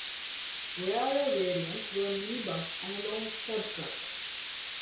Rarer variants were minibus and a long cab truck.